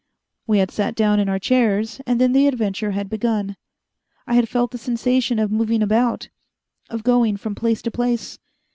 We had sat down in our chairs, and then the adventure had begun. I had felt the sensation of moving about, of going from place to place.